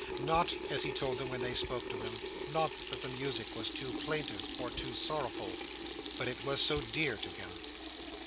Not, as he told them when they spoke to him, not that the music was too plaintive or too sorrowful, but it was so dear to him.